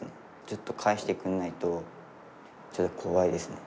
ずっと返してくれないとちょっと怖いですね。